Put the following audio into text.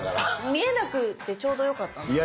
見えなくてちょうどよかったのにね！